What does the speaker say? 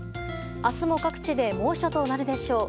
明日も各地で猛暑となるでしょう。